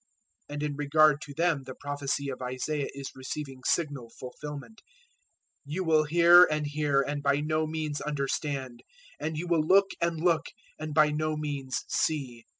013:014 And in regard to them the prophecy of Isaiah is receiving signal fulfilment: "`You will hear and hear and by no means understand, and you will look and look and by no means see.